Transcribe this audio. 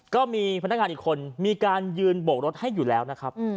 ก็มีพนักงานอีกคนมีการยืนโบกรถให้อยู่แล้วนะครับ